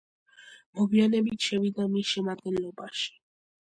მოგვიანებით შევიდა მის შემადგენლობაში.